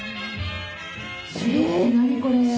え何これ！